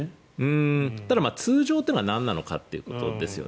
ただ、通常というのはなんなのかということですよね。